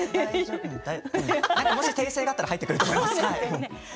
もし、訂正があったら入ってくると思います。